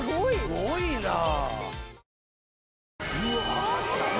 すごいなあ。